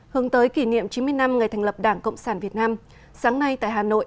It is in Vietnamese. hướng tới kỷ niệm chín mươi năm ngày thành lập đảng cộng sản việt nam sáng nay tại hà nội